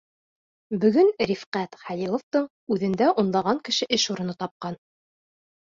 Бөгөн Рифҡәт Хәлиловтың үҙендә унлаған кеше эш урыны тапҡан.